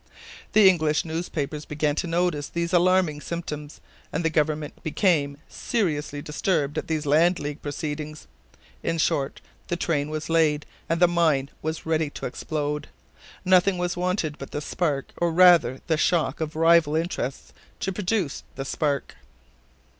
The English newspapers began to notice these alarming symptoms, and the government became seriously disturbed at these 'Land League' proceedings. In short, the train was laid, and the mine was ready to explode. Nothing was wanted but the spark, or rather the shock of rival interests to produce the spark.